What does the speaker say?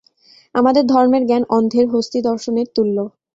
আমাদের ধর্মের জ্ঞান অন্ধের হস্তীদর্শনের তুল্য।